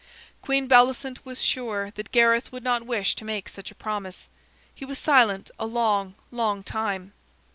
Queen Bellicent was sure that Gareth would not wish to make such a promise. He was silent a long, long time.